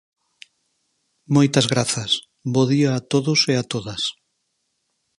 Moitas grazas, bo día a todos e a todas.